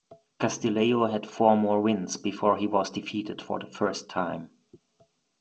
Castillejo had four more wins, before he was defeated for the first time.